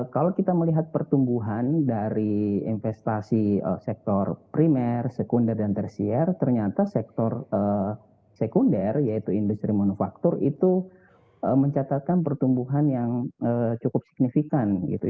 kalau kita melihat pertumbuhan dari investasi sektor primer sekunder dan tersier ternyata sektor sekunder yaitu industri manufaktur itu mencatatkan pertumbuhan yang cukup signifikan